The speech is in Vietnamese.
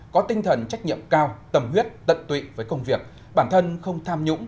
có tinh thần trách nhiệm cao tầm huyết tận tụy với công việc bản thân không tham nhũng